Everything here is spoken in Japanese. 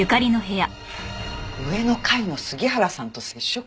上の階の杉原さんと接触した？